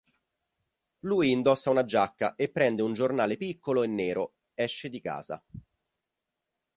Lui indossa una giacca e prende un giornale piccolo e nero esce di casa.